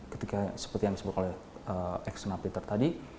ketika seperti yang disebut oleh ex napiter tadi